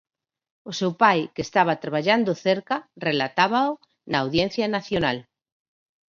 O seu pai, que estaba traballando cerca, relatábao na Audiencia Nacional.